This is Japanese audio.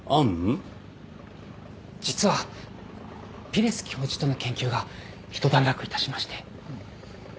実はピレス教授との研究が一段落いたしまして。